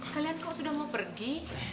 kalian kok sudah mau pergi